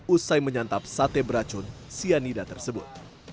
usai menyantap sate beracun cyanida tersebut